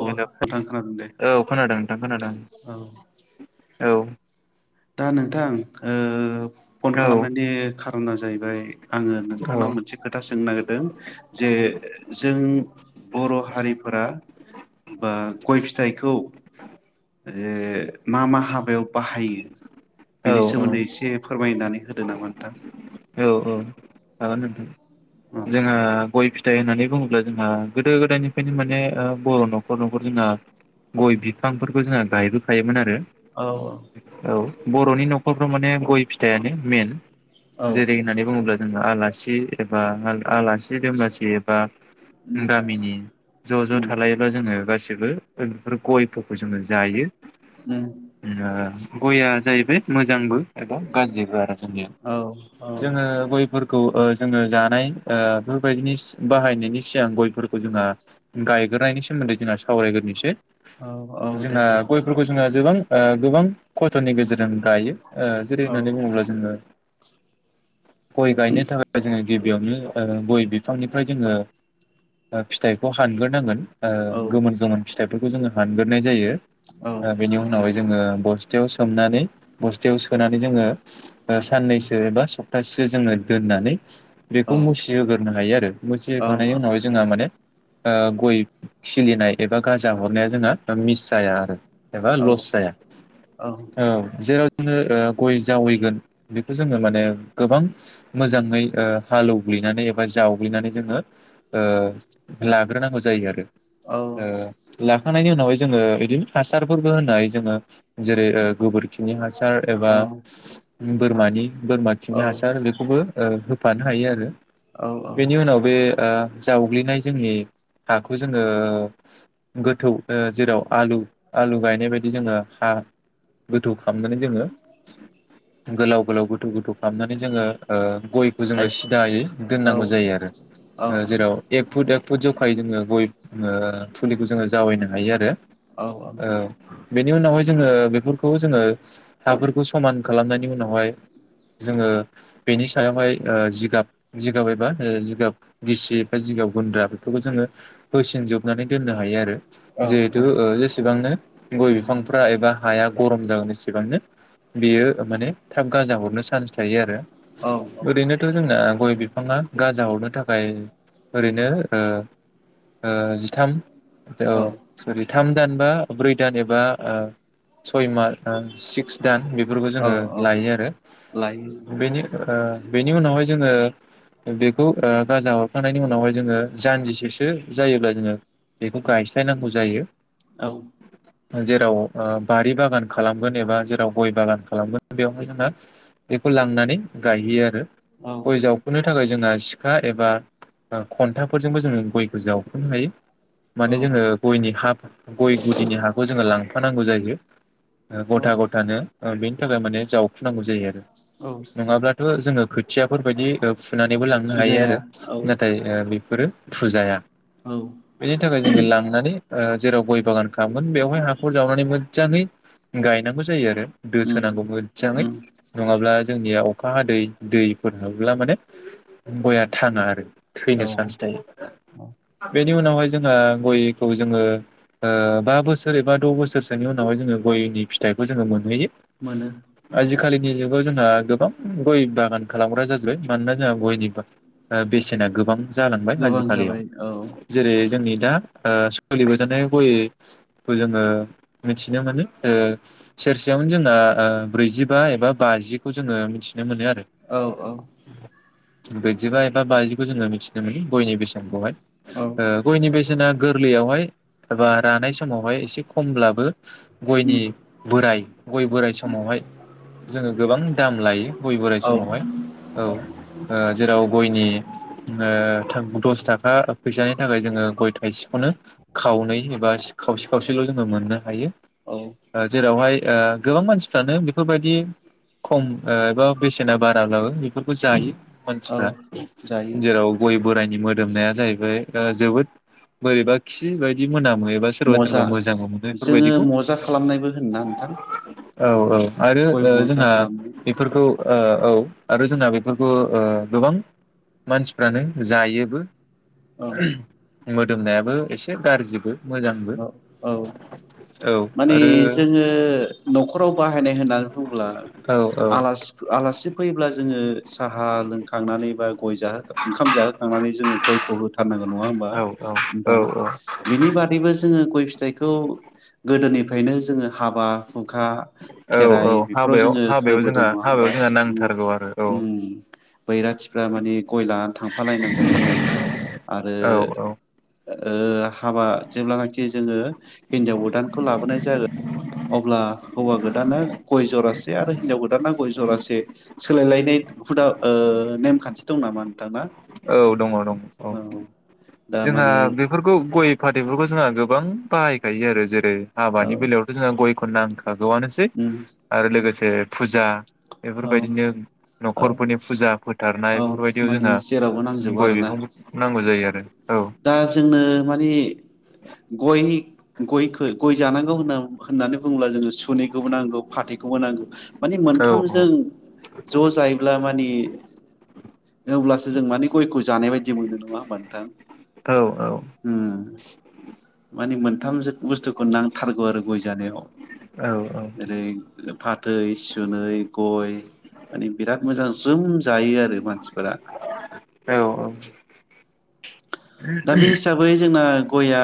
अ हेल' नोंथां खोनादों दे औ खोनादों नोंथां खोनादों औ औ। दा नोंथां ओ फन औ खालामनायनि खार'ना जाहैबाय आङो नोंथांनाव मोनसे खोथा सोंनो नागिरदों जे जों बर' हारिफोरा बा गय फिथाइखौ ओ मा-मा हाबायाव बाहायो? औ बिनि सोमोन्दै औ एसे फोरमाय नानै होदो नामा नोंथां। औ-औ जागोन नोंथां। औ जोंहा गय फिथ फिथाइ होननानै बुङोब्ला जोंहा गोदो गोदायनिफ्रायनो माने बर' नखर नखर जोंहा गय बिफांफोरखौ जोंहा गायबोखायोमोन आरो। औ औ बर'नि नखर नखरफ्राव माने गय फिथाइानो मेइन औ जेरै होननानै बुङोब्ला जोंहा आलासि एबा आल-' आलासि दोमलासि एबा गामिनि ज' ज' उम थालायोब्ला जोङो गासिबो बेबो गयखौ [unintelligible] खौ जोङो जायो उम गया [unintelligible] जाहैबाय मोजांबो एबा गाज्रिबो आरो जोंनिया। औ औ जोङो गय फोरखौ ओ जोङो जानाय ओ बेफोरबायदिनि बाहायनायनि सिगां गयफोरखौ जोंहा गायग्रोनायनि सोमोन्दै जोंहा सावरायग्रोनोसै। औ औ दे जोंहा दे नोंथां गयफोरखौ जोंहा जोबां ओ गोबां खस्थनि गेजेरजों गायो ओ जेरै औ होननानै बुङोब्ला जोङो गय गायनो थाखाय जोङो गिबियावनो गय बिफांनि ओमफ्राय जोङो ओ फिथाइखौ हानग्रोनांगोन ओ औ गोमोन-गोमोन फिथाइफोर खौ जोङो हानग्रोनाय जायो। औ ओ बेनि उनावहाय जोङो बस्थायाव सोमनानै बस्थायाव सोनानै जोङो ओ सानैसो एबा सप्तासेसो जोङो दोननानै बेखौ औ मुसिहोग्रोनो हायो आरो मुसिहोखांनायनि औ उनावहाय जोंहा माने ओ गय खिलिनाय एबा गाजा हरनाया जोंहा मिस जाया आरो एबा लस जाया, औ जेराव नो गय जावैगोन बे जोङो माने गोबां मोजाङै ओ हालौहैनानै एबा जावग्लिनानै जोङो ओ लाग्रोनांगौ जायो आरो। औ ओ ला खांनायनि उनावहाय जोङो बिदिनो हासारफोरबो होनो हायो जोङो जेरै ओ गोबोर खिनि हासार औ एबा बोरमा बोरमा औ खिनि हासार बेखौबो ओ होफानो हायो आरो औ औ बेनि उनाव बे ओ जावग्लिनाय जोंनि हाखौ जोङो गोथौ जेराव आलु आलु गायनाय बायदि जोङो हा गोथौ खामनानै जोङो गोलाव गोलाव गोथौ गोथौ खालामनानै जोङो ओ गयखौ थाइ जोङो सिदायै औ दोननांगौ जायो आरो औ ओ जेराव एक फुट एक फुद जखायै जोङो गय ओ फुलिखौ जोङो जावैनो हायो आरो औ औ। बेनि उनावहाय जोङो बेफोरखौ जोङो हाफोरखौ समान खालामनायनि उनावहाय जोङो बेनि सायावहाय ओ जिगाब जिगाब एबा जिगाब गिसि एबा जिगाब गुन्द्रा बेखौबो जोङो होसिनजोबनानै दोननो हायो आरो। जिहेथु ओ जेसेबांनो गय बिफांफ्रा एबा हाया गरम जागोन एसेबांनो बेयो माने थाब गाजा हरनो चान्स थायो आरो। औ ओरैनोथ' जोंना गय बिफाङा गाजा हरनो थाखाय ओरैनो ओ ओ जिथाम औ सिरि थाम दान बा ब्रै दान एबा ओ सय मास सिक्स दान बि फोरखौ औ जोङो औ लायो आरो लायो बेनि ओ बेनि उनावहाय जोङो बेखौ ओ गाजा हरखांनायनि उनावहाय जोङो जान्जिसेसो जायोब्ला जोङो बेखौ गायस्लायनांगौ जायो। औ। जेराव ओ बारि बागान खालामगोन एबा जेराव गय बागान खालामगोन बेवहाय जोङो बेखौ लांनानै गायहैयो आरो। औ गय जावखुनो थाखाय जोंहा सिखा एबा खन्थाफोरजोंबो जोङो गयखौ जावखुनो हायो। औ माने जोङो गयनि हा गय गुदिनि हाखौ जोङो लां नांगौ जायो औ गथा गथानो। ओ बेनि थाखाय माने जाव खुनांगौ जायो आरो। औ नङाब्लाथ' जोङो खोथिया फोरबायदि ओ खुनानैबो लांनो हायो फुजाया आरो औ नाथाय ओ बेफोरो फुजाया औ बेनि थाखाय जोङो लांनानै ओ जेराव गय बागान खालामगोन बेयावहाय हाखर जावनानै मोजाङै गायनांगौ जायो आरो। उम दोसोनांगौमोन। जाङै उम नङाब्ला दा जोंनिया अखा हादै दैफोर मोनब्ला माने गया थाङा आरो। औ थैनो सान्स थायो। बेनि उनावहाय जोङो गयखौ जोङो ओ बा बोसोर एबा द' बोसोरसोनि उनावहाय जोङो गयनि फिथाइखौ जोङो मोनहैयो। मोनो जिखालिनि जुगाव जोंहा गोबां गय बागान खालामग्रा जाजोबबाय मानोना जोंहा गयनि बाग ओ बेसेना गोबां जालांबाय गोबां आजिखालियाव जाबाय औ जेरै जोंनि दा ओ सोलिबाय थानाय गय खौ जोङो मिथिनो मोनो ओ सेरसेयावनो जोंना ओ ब्रैजिबा एबा बाजिखौ जोङो मिथि औ औ ब्रैजिबा एबा बाजिखौ जोङो मिथिनो मोनो। गयनि बेसेनखौहाय औ ओ गयनि बेसेना गोरलैयावहाय एबा रानाय समावहाय एसे खमब्लाबो उम गयनि बोराइ गय बोराइ समावहाय जोङो गोबां दाम लायो। गय बोराइ औ समावहाय औ ओ जेराव गयनि ओ थाख दसथाखा फैसानि थाखाय जोङो गय थाइसेखौनो खावनै एबा सि खावसे खावसेल' जोङो मोननो हायो। औ ओ जेरावहाय ओ गोबां मानसिफ्रानो बे फोबादि खम ओ एबा बेसेना बारालाबो बेफोरखौ जायो। औ मानसिफ्रा जायो जेराव गय बोरायनि मोदोमनाया जाहैबाय ओ जोबोद बोरैबा खि बायदि मोनाम मो एबा सोरबा मजा सोरबा मोजांबो मोनो जोङो बेफोरबायदिखौ मजा खालामनायबो होनोना नोंथां औ औ आरो गय ओ मजा जोंहा खालामनो बेफोरखौ ओ ओब खौ आरो जोंना बेफोरखौ ओ गोबां मानसिफ्रानो जायोबो। औ [unintelligible] मोदोमनायाबो एसे गारजिबो अ औ औ माने आरो जोंङो न'खराव बाहायनाय ए होनना बुंङोब्ला औ औ आलासि आलासि फैब्ला जोंङो साहा लोंखांनानै बा गय जाहो ओ ओंखाम जाहोखांनानै जोंङो गयखौ होथारनांगौ नङा होमबा औ औ नोंथां? औ बेनि बाद खैबो जोंङो गय फिथाइखौ गोदोनिफ्रायनो जोंङो हाबा हुखा औ औ खेराइ बेफोराव हाबायाव जोंङो हाबायाव होबोदों जोंहा नङा हाबायाव होमबा? जोंहा उम नांथारगौ आरो उम बैराथिफ्रा माने गय लाना थांफालायनांगौमोननो आरो औ ओ ओ हाबा जेब्लानाखि जोङो हिन्जाव गोदानखौ लाबोनाय जागोन अब्ला हौवा गोदाना गय जरासे आरो हिनजाव गोदाना गय जरासे सोलायलायनाय हुदा ओ नेमखान्थि दं नामा नोंथां ना? औ दङ दं औ। दा जोंहा माने बेफोरखौ गय फाथैबो खौबो जोंहा गोबां बाहायखायो आरो जेरै औ हाबानि बेलायावथ' जोंहा गयखौ नां खागौआनोसै उम आरो लोगोसे जे फुजा औ बेफोरबायदिनो औ न'खरफोरनि फुजा फोथारनाय औ बेफोरबायदियाव माने जोंहा जेरावबो नांजोबो गय आरोना बिफांफोरखौ नांगौ जायो आरो औ दा जोंनो माने गयनि गयखो गय जानांगौ होनना होननानै बुंङोब्ला जोङो सु सुनैखौबो नांगौ फाथै खौबो नांगौ। माने औ मोनथामजों ज' जायोब्ला माने अब्लासो जों माने गयखौ जानाय बायदि मोनो नङा होमबा नोंथां? औ औ। उम माने मोनथाम जोथ बुस्थुखौ नांथारगौ आरो गय जानायाव। औ औ ओ फाथै, सुनै, गय माने बिराद मोजां जोम जायो आरो मानसिफोरा। औ औ दा बे हिसाबै जोंना गयआ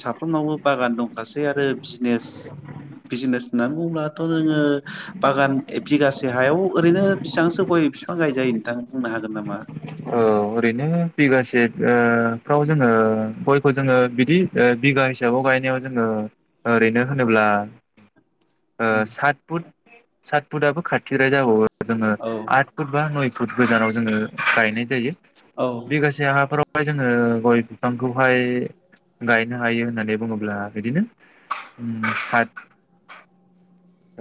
साफ्रोमनावबो बागान दंखासै आरो बिजनेस बिजनेस होननानै बुंब्लाथ' जोंङो बागान बिगासे हायाव ओरैनो बेसेबांसो गय बिफां गाय जायो नोंथां? बुंनो हागोन नामा? औ ओरैनो बिगासे ओ फ्राव जोंङो गयखौ जोंङो बिदि बिगा हिसाबाव गायनायाव जोंङो ओरैनो होनोब्ला ओ सात फुट सात फुटआबो खाथिद्राय जाबावो। जोङो औ आट फुट बा नय फुट गोजानाव जोङो गायनाय। जायो। औ बिगसे हाफोराव ओमफाइ जोङो गय बिफांखौहाय गायनो हायो होननानै बुङोब्ला बिदिनो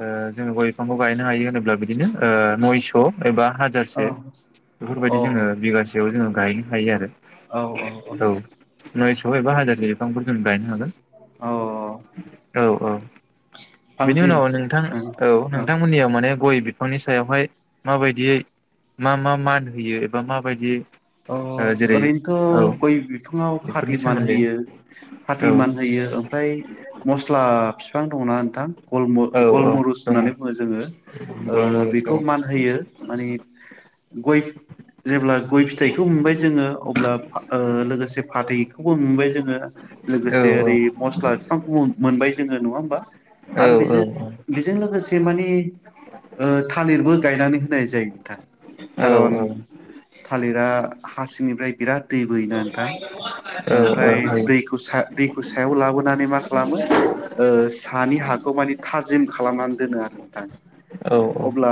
ओ जोङो गय बिफांखौ गायनो ओ नयस एबा औ हाजारसे औ बेफोरबायदि जोङो बिगासेयाव जोङो गायनो हायो आरो औ औ औ नयस'फैबा हाजासे थाम लुनथेल गायनो हागोन औ औ औ औ बेनि उनाव नोंथां औ नोंथांमोननियाव माने गय सायावहाय माबायदियै मा मान होयो एबा माबायदियै अ ओरैनोथ गय बिफांआव फाथै बेफोरनि सोमोन्दै औ मानहोयोफाथै मानहोयो ओमफाय मसला बिफां दंना। थां गलमु औ औ गलमुरिस दङ होन्नानै बुङो जों ओ औ औ औ औ बेखौ मान होयो माने गय जेब्ला गय फिथाइखौ मोनबाय जोङो अब्ला लोगोसे फाथैखौबो मोनबाय जोङो लोगोसे ओै मस्लाफि सानखौब मोनबाय जोङो नङा होमबा। आरो औ बेजों लोगोसे एसे माने ओ मानि थालिरबो गायना होनाय जायो नोंथां। औ खारन थालिर दा हासिंनिफ्राय बिराद दै बोयो ना नोंथां औ ओमफ्राय होयो दैखौ सायाव लाबोनानै मा खालामो ओ हानि हाखौ मानि थाजिम खालामनानै दोनो आरो नोंथां। औ अब्ला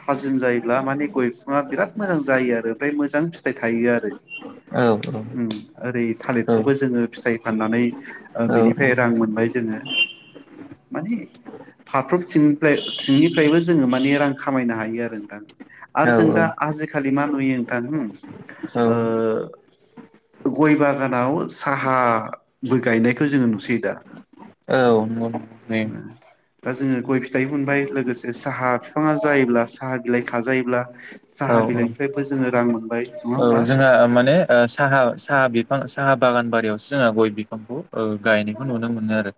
थाजिम जायोब्ला मानि गय बिफांआव बिरात मोजां जायो आरो बे मोजां फिथाइ थायो आरो औ आरो जों दा नंगौ आजिखा खालि मा नुयो नोंथां ओ गय बागानाव सानहाबो गनायनायखौ जों नुसै दा‌ औ दा जोङो गय फिथाइबो मोनबाय लोगोसे साहा बिबाङा जायोब्ला साहा बिलाइ खाजायोब्ला औ साहा बिलाइनिफ्रायबो जोङो रां मोनबाय नङा औ होमबा जोंहा माने ओ साहा साहाबि साहा बागान बारियावसो जोंहा गइ बिफांखौ औ गायनायखौ नुनो मोनो आरो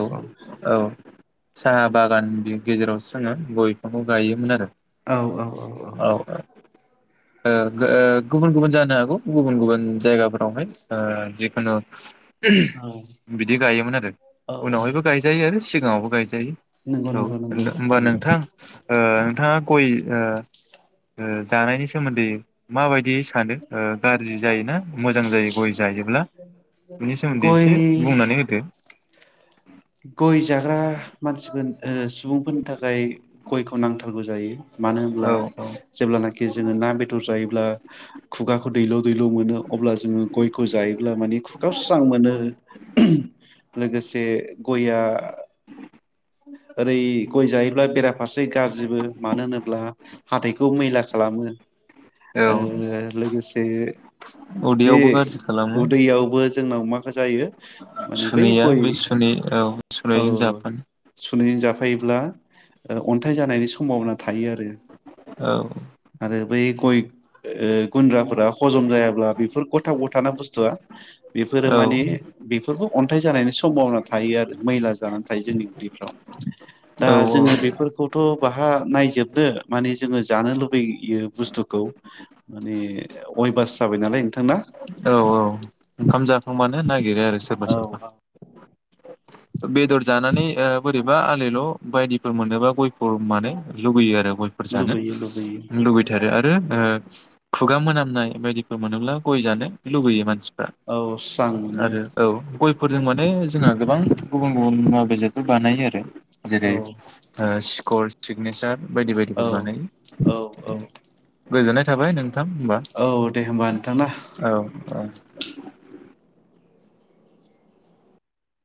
औ औ साहा बागान बि गेजेरावसो जोङो गइ बिफांखौ गायोमोन आरो। औ औ औ औ औ ओ गुबुन गुबुन जानो हागौ गुबुन गुबुन जायगाफोरावहाय ओ जिखुनु औ बिदि गायोमोन आरो औ उनावहायबो गायजायो सिगाङावबो गाय नंगौ औ नंगौ नंगौ होनबा नंगौ नोंथां ओ नोंथाङा गइ ओ ओ जानायनि सोमोन्दै मााबायदि बिदि सानो गाज्रि जायोना मोजां जायो गइ जायोब्ला बिनि सोमोन्दै एसे बुंनानै होदो गइ जाग्रा मानसिफोर सुबुंफोरनि थाखाय गइखौ नांथारगौ जायो मानो होनोमब्ला औ जेब्लानाखि खि जोङो ना बेदर जायोब्ला खुगाखौ दैल' दैल' मोनो अब्ला जोङो गइखौ जायोब्ला मानिे खुगायाव स्रां मोनो लोगोसे गइया औ ओरै गइ जायोब्ला बेराफारसे गाज्रिबो मानो होनोब्ला हाथाइखौ मैला खालामो औ ओ लोगोसे ओ बे उदैयावबो उदैयावबो जोंनाव माखा सुुनैया बे सुनै औ सुनायजों जाफोन सुनैजों जाफायोब्ला अन्थाइ जानायनि समभाबना थायो आरो। औ बेै गइ ओ गुन्द्राफोरा हजम जायाब्ला बेफोर गथाव गथाना बुस्थुआ बेफोरो औ माने बेफोरखौ अन्थाइ जानायनि सम्भावना थायो आरो मैला जानानै थायो जोंनि उदैयाव दा औ जोङो बेफोरखौथ' बाहारंर् जे नायजोबदो माने जोङो जानो लुबैयो बुस्थुखौ माने अयभास जाबाय नालाय नोंथांना औ औ ओंखाम जाखांबानो नागिरो आरो सोरबा औ सोरबा बेदर जानानै ओ बोरै बा [unintelligible] बायदिफोर मोनोबा गयखौ मानो लुगैयो आरो गयफोर जानो लुबैयो लुबैयो लुबैथारो आरो आरो खुगा मोनामनाय बायदिफोर मोनोब्ला गय जानो लुबैयो मानसि फोरा औ स्रां मोनो आरो औ गयफोरजों माने जोंहा गोबां गुबुन गुबुन मुवा बेसादफोर बानायो आरो औ जेरै ओ सि खर सिगनेसार बायदि औ बायदिफोर औ औ बानायो गोजोननाय थाबाय थाबाय नोंथां होमबा औ दे होमबा नोंथां ना औ औ